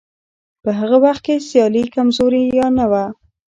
په هغه وخت کې سیالي کمزورې یا نه وه.